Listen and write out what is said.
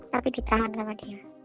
tapi ditahan sama dia